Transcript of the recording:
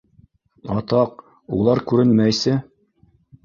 Атаҡ, улар күренмәйсе...